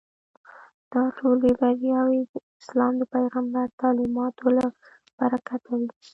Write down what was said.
دا ټولې بریاوې د اسلام د پیغمبر تعلیماتو له برکته وې.